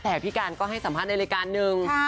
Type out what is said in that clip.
แต่พี่การก็ให้สัมภาษณ์ในรายการหนึ่ง